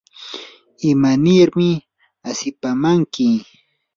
¿imanirmi asipamanki?